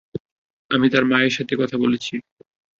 আমি তার মায়ের সাথে কথা বলেছি।